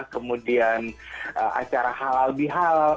kemudian acara halal bihal